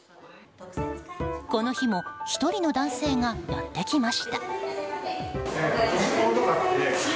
この日も１人の男性がやってきました。